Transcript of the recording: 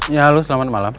ya halo selamat malam